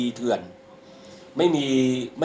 คุณพูดไว้แล้วต้นใช่ไหมคะ